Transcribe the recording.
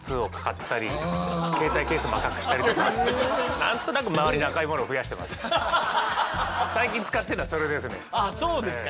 何となく最近使ってるのはそれですね。